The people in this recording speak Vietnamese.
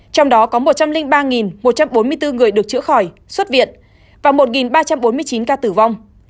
trong đó có một trăm linh ba một trăm bốn mươi bốn người được chữa khỏi xuất viện và một ba trăm bốn mươi chín ca tử vong